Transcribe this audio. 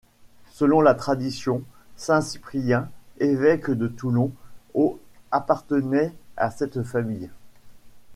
Selon la tradition, saint Cyprien, évêque de Toulon au appartenait à cette famille.